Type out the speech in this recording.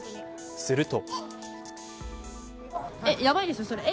すると。